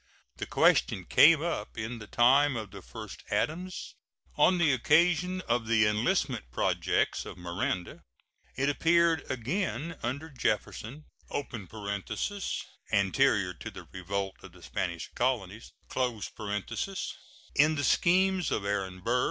The question came up in the time of the first Adams, on the occasion of the enlistment projects of Miranda. It appeared again under Jefferson (anterior to the revolt of the Spanish colonies) in the schemes of Aaron Burr.